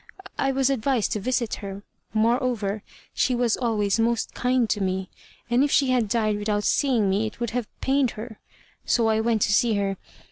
I was advised to visit her, moreover, she was always most kind to me, and if she had died without seeing me it would have pained her, so I went to see her.